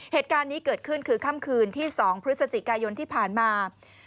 เหตุการณ์นี้เกิดขึ้นคือค่ำคืนที่๒พฤศจิกายนที่ผ่านมา